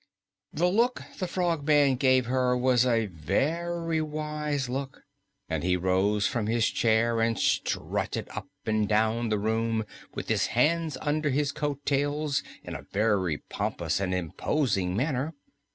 The look the Frogman gave her was a very wise look, and he rose from his chair and strutted up and down the room with his hands under his coattails in a very pompous and imposing manner.